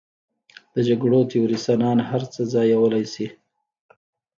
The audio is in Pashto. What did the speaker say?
د جګړو تیورسنان هر څه ځایولی شي.